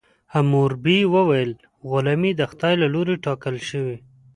حموربي ویل غلامي د خدای له لورې ټاکل شوې.